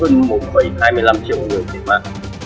một hai mươi năm triệu người thiệt mạng